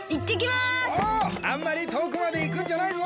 あんまりとおくまでいくんじゃないぞ！